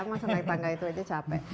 masa naik tangga itu aja capek